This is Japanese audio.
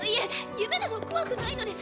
夢など怖くないのです。